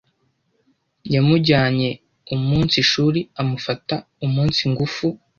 yamujyanye umunsi ishuri amufata umunsi ngufu